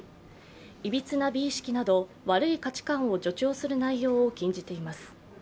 いびつな美意識など悪い価値観を助長する内容を禁じています。